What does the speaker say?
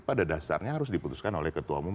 pada dasarnya harus diputuskan oleh ketua umum